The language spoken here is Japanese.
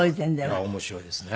いや面白いですね。